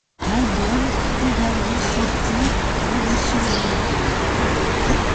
L'album est également sorti en édition limitée.